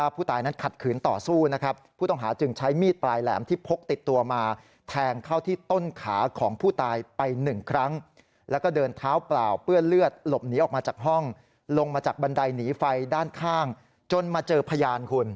ไปหนึ่งครั้งแล้วก็เดินเท้าเปล่าเพื่อเลือดหลบหนีออกมาจากห้องลงมาจากบันไดหนีไฟด้านข้างจนมาเจอพยานคุณ